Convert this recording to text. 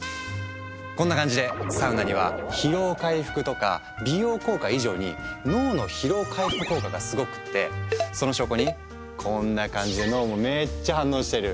こんな感じでサウナには疲労回復とか美容効果以上に脳の疲労回復効果がすごくってその証拠にこんな感じで脳もめっちゃ反応してる。